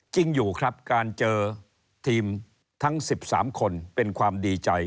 จริงอยู่ครับการเจอทีมทั้ง๑๓คนเป็นความดีใจ